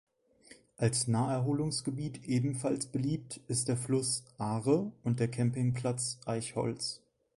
Als Naherholungsgebiet ebenfalls beliebt ist der Fluss Aare und der Campingplatz Eichholz.